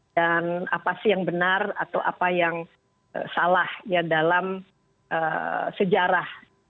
dan apa sih yang benar atau apa yang salah dalam sejarah